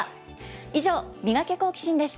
以上、ミガケ、好奇心！でした。